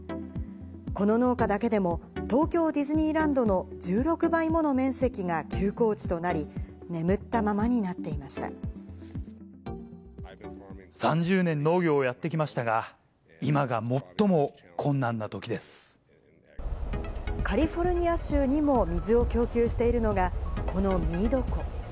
この農家だけでも、東京ディズニーランドの１６倍もの面積が休耕地となり、眠ったま３０年、農業をやってきましたが、カリフォルニア州にも水を供給しているのが、このミード湖。